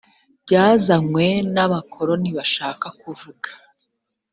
byazanywe n abakoloni bashaka kuvuga